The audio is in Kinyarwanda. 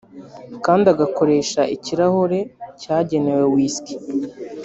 kandi agakoresha ikirahure cyagenewe whisky